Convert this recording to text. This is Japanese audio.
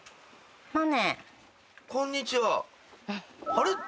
あれ？